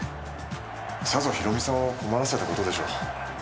さぞ博美さんを困らせた事でしょう。